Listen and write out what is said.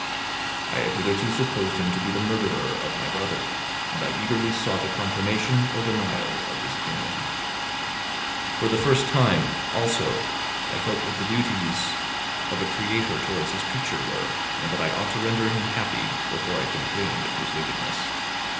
I had hitherto supposed him to be the murderer of my brother, and I eagerly sought a confirmation or denial of this opinion. For the first time, also, I felt what the duties of a creator towards his creature were, and that I ought to render him happy before I complained of his wickedness.